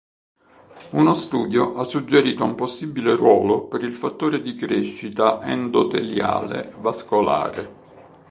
Uno studio ha suggerito un possibile ruolo per il fattore di crescita endoteliale vascolare.